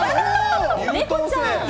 猫ちゃん。